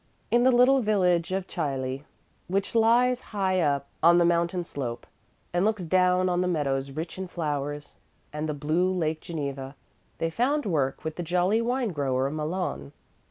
In the little village of Chailly, which lies high up on the mountain slope and looks down on the meadows rich in flowers and the blue Lake Geneva, they found work with the jolly wine grower Malon.